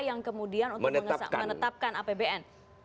yang kemudian menetapkan apbn